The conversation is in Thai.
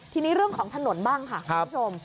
ทีนี้เรื่องของถนนบ้างค่ะคุณผู้ชม